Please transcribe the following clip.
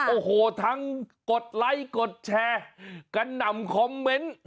โอ้โหทั้งกดไลค์กดแชร์กระหน่ำคอมเมนต์